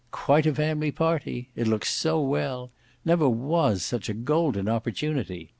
Quite a family party. It looks so well. Never was such a golden opportunity.